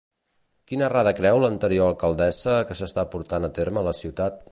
Quina errada creu l'anterior alcaldessa que s'està portant a terme a la ciutat?